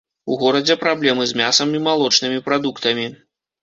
У горадзе праблемы з мясам і малочнымі прадуктамі.